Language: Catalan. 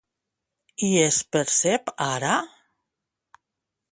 I es percep ara?